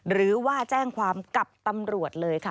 หรือว่าแจ้งความกับตำรวจเลยค่ะ